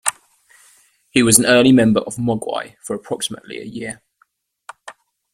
He was an early member of Mogwai for approximately a year.